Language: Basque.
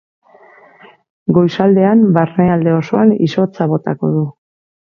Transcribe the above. Goizaldean barnealde osoan izotza botako du.